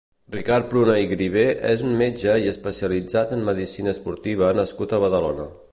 Ricard Pruna i Grivé és un metge i especialitzat en medicina esportiva nascut a Badalona.